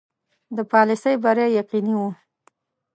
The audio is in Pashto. د پالیسي بری یقیني وو.